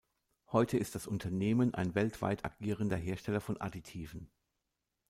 Heute ist das Unternehmen ein weltweit agierender Hersteller von Additiven.